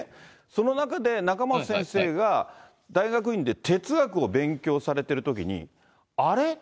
その中で、仲正先生が大学院で哲学を勉強されてるときに、あれ？